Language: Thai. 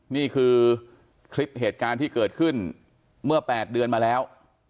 นี่คือคลิปเหตุการณ์ที่เกิดขึ้นเมื่อ๘เดือนมาแล้ว